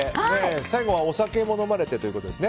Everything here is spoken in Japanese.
最後はお酒も飲まれてということですね。